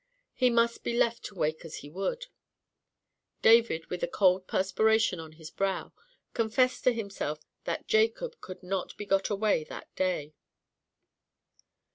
He must be left to wake as he would. David, with a cold perspiration on his brow, confessed to himself that Jacob could not be got away that day.